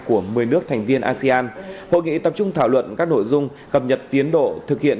của một mươi nước thành viên asean hội nghị tập trung thảo luận các nội dung cập nhật tiến độ thực hiện